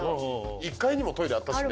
１階にもトイレあったしね。